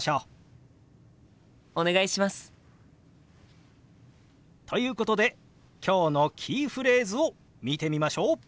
お願いします！ということで今日のキーフレーズを見てみましょう。